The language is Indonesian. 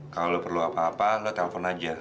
kalau lo perlu apa apa lo telpon aja